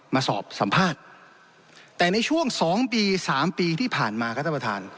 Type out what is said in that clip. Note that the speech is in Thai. มาสอบสัมภาษณ์แต่ในช่วงสองปีสามปีที่ผ่านมาครับท่านประธาน